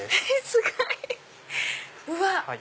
すごい！うわ！